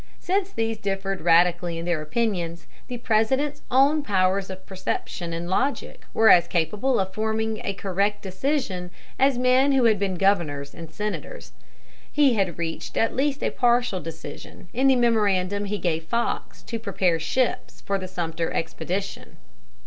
Since these differed radically in their opinions, the President's own powers of perception and logic were as capable of forming a correct decision as men who had been governors and senators. He had reached at least a partial decision in the memorandum he gave Fox to prepare ships for the Sumter expedition.